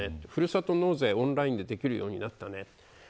ふるさと納税、オンラインでできるようになったね。